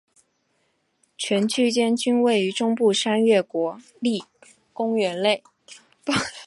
全区间均位于中部山岳国立公园内。